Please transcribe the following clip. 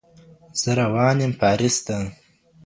زه روان یم پاريس ته